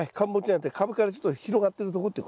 株からちょっと広がってるとこってことですね。